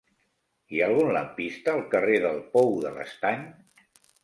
Hi ha algun lampista al carrer del Pou de l'Estany?